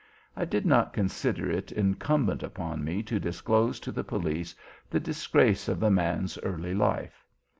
I did not consider it incumbent upon me to disclose to the police the disgrace of the man's early life.